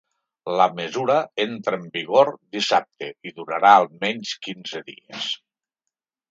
La mesura entra en vigor dissabte i durarà almenys quinze dies.